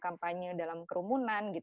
kampanye dalam kerumunan